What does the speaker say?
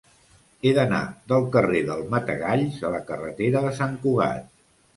He d'anar del carrer del Matagalls a la carretera de Sant Cugat.